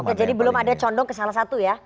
oke jadi belum ada condong ke salah satu ya